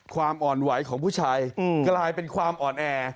ความอ่อนไหวของผู้ชายกลายเป็นความอ่อนแอ